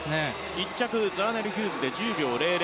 １着ザーネル・ヒューズで１０秒００。